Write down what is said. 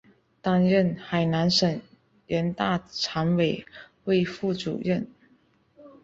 担任海南省人大常委会副主任。